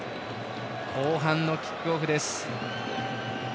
後半のキックオフです。